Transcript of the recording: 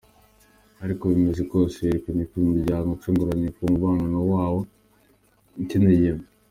Ariko uko bimeze kwose, yerekanye ko umuryango ucuguruye ku mubonano woba ikindi gihe.